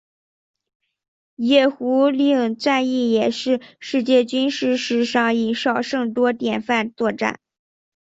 野狐岭战役也是世界军事史上以少胜多典范作战。